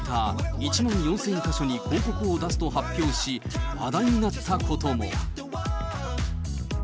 １万４０００か所に広告を出すと発表し、話題になったことも。